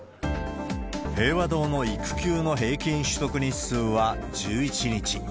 平和堂の育休の平均取得日数は１１日。